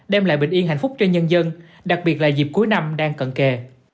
đem lại bình yên hạnh phúc cho nhân dân đặc biệt là dịp cuối năm đang cận kề